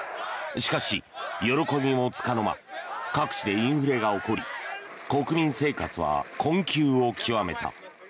しかし喜びもつかの間各地でインフレが起こり国民生活は困窮を極めた。